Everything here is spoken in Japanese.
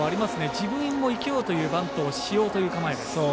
自分も生きようというバントをしようという構え。